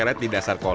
warnanya tidak kecil